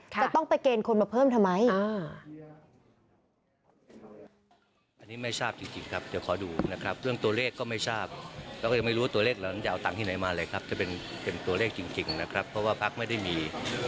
จะต้องไปเกณฑ์คนมาเพิ่มทำไม